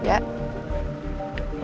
saya pasti sebenarnya